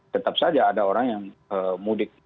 tetap saja ada orang yang mudik